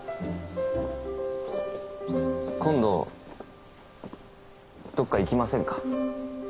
今度どっか行きませんか？